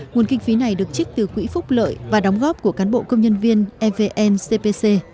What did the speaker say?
nguồn kinh phí này được trích từ quỹ phúc lợi và đóng góp của cán bộ công nhân viên evncpc